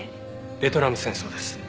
ベトナム戦争です。